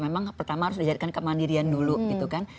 memang pertama harus dijadikan kemandirian dulu gitu kan